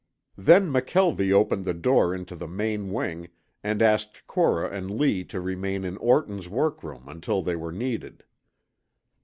Then McKelvie opened the door into the main wing and asked Cora and Lee to remain in Orton's workroom until they were needed.